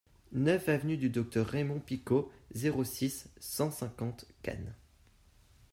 neuf avenue du Docteur Raymond Picaud, zéro six, cent cinquante, Cannes